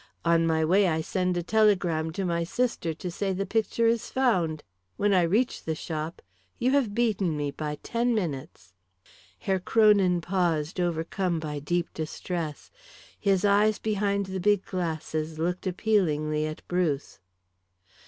On my way I send a telegram to my sister to say the picture is found. When I reach the shop you have beaten me by ten minutes." Herr Kronin paused, overcome by deep distress. His eyes behind the big glasses looked appealingly at Bruce.